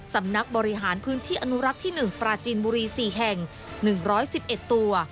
สำนักบริหารพื้นที่อนุรักษ์ที่๑ปราจีนบุรี๔แห่ง๑๑๑ตัว